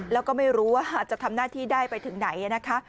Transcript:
แล้วก็ไม่รู้ว่าจะทำหน้าที่ได้ไปถึงไหนนะคะ